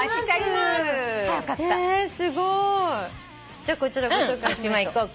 じゃこちらご紹介しましょう。